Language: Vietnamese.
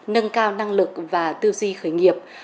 nâng cao năng lực và tư duy khởi nghiệp